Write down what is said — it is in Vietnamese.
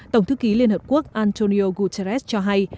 tổng thư ký liên hợp quốc antonio guterres cho hay